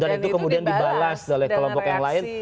itu kemudian dibalas oleh kelompok yang lain